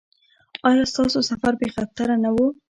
ایا ستاسو سفر بې خطره نه و؟